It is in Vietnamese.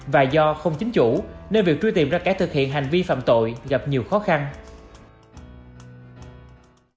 và do không chính chủ nên việc truy tìm ra kẻ thực hiện hành vi phạm tội gặp nhiều khó khăn